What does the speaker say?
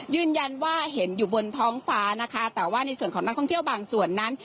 ยืนยันว่าเห็นอยู่บนท้องฟ้านะคะแต่ว่าในส่วนของนักท่องเที่ยวบางส่วนนั้น